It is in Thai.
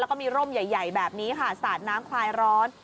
แล้วก็มีร่มใหญ่แบบนี้ค่ะสาดน้ำคลายร้อน